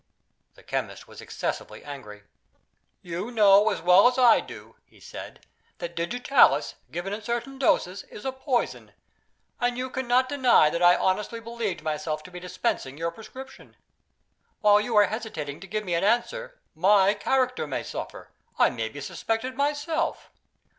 The chemist was excessively angry. "You know as well as I do," he said, "that Digitalis, given in certain doses, is a poison, and you cannot deny that I honestly believed myself to be dispensing your prescription. While you are hesitating to give me an answer, my character may suffer; I may be suspected myself."